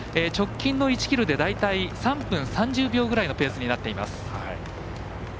直近の１ｋｍで大体３分３０秒ぐらいのペースになります。